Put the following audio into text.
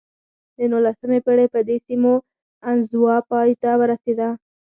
د نولسمې پېړۍ په دې سیمو انزوا پای ته ورسېده.